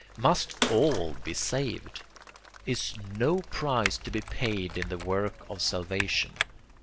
Must ALL be saved? Is NO price to be paid in the work of salvation?